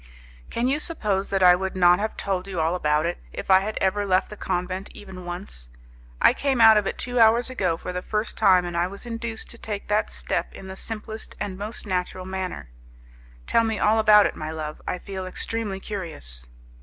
"Can you suppose that I would not have told you all about it, if I had ever left the convent, even once? I came out of it two hours ago, for the first time, and I was induced to take that step in the simplest, the most natural manner." "Tell me all about it, my love. I feel extremely curious."